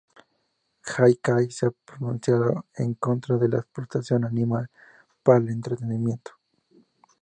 Jay Kay se ha pronunciado en contra de la explotación animal para el entretenimiento.